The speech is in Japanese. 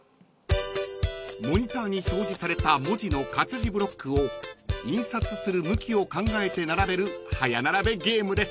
［モニターに表示された文字の活字ブロックを印刷する向きを考えて並べる早並べゲームです］